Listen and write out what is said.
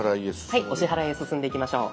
はいお支払いへ進んでいきましょう。